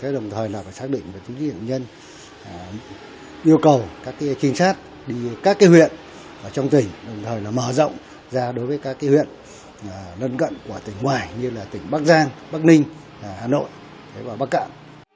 đối với các cái huyện lân cận của tỉnh ngoài như là tỉnh bắc giang bắc ninh hà nội và bắc cạn